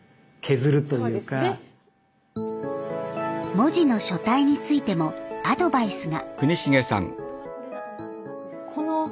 文字の書体についてもアドバイスが。